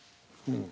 うん。